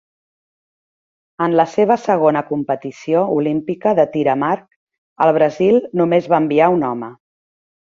En la seva segona competició olímpica de tir amb arc, el Brasil només va enviar un home.